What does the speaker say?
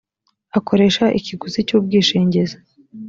akoresha ikiguzi cy ubwishingizi